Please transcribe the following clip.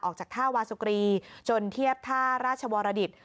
ออกจากท่าวาสุกรีจนเทียบท่าราชวรดิต